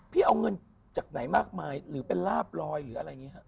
เอาเงินจากไหนมากมายหรือเป็นลาบลอยหรืออะไรอย่างนี้ฮะ